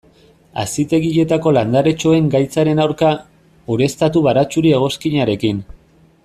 Hazitegietako landaretxoen gaitzaren aurka, ureztatu baratxuri-egoskinarekin.